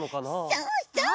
そうそう！